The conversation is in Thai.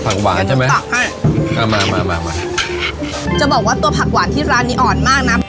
ผักหวานใช่ไหมผักให้อ่ามามามาจะบอกว่าตัวผักหวานที่ร้านนี้อ่อนมากนะ